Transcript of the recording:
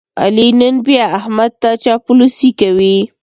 علي نن بیا احمد ته چاپلوسي کوي.